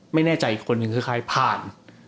ไม่แน่ใจอีกคนนึงคือใครผ่าน